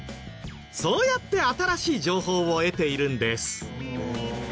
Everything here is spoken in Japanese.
そうやって新しい情報を得ているんです。